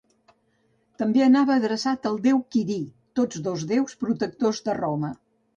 També anava adreçat al déu Quirí, tots dos déus protectors de Roma.